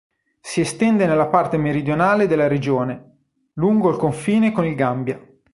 Si estende nella parte meridionale della regione, lungo il confine con il Gambia.